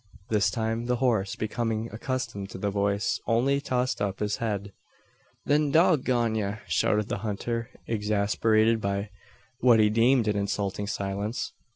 This time the horse, becoming accustomed to the voice, only tossed up his head. "Then dog gone ye!" shouted the hunter, exasperated by what he deemed an insulting silence.